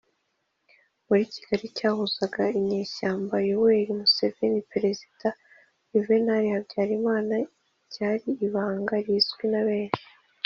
muri kigali, icyahuzaga inyeshyamba yoweri museveni , perezida yuvenali habyarimana cyari ibanga rizwi na benshi.